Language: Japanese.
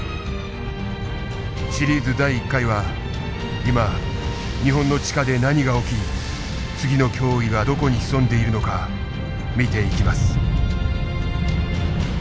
シリーズ第１回は今日本の地下で何が起き次の脅威がどこに潜んでいるのか見ていきます。